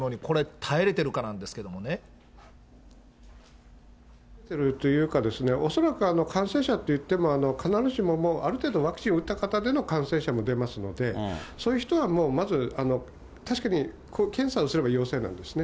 耐えてるっていうか、おそらく感染者といっても、必ずしも、ある程度ワクチン打った方でも出ますので、そういう人はもうまず、確かに検査をすれば、陽性なんですね。